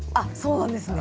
そうなんですね。